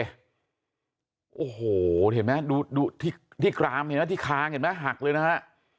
โ้โหเห็นไหมฮะดูที่กรามที่คางหักเลยนะฮะ